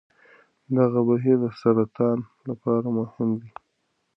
دغه بهیر د سرطان لپاره مهم دی.